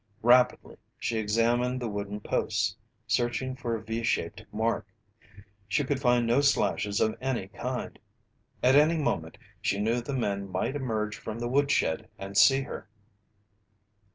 Rapidly she examined the wooden posts, searching for a V shaped mark. She could find no slashes of any kind. At any moment she knew the men might emerge from the woodshed and see her.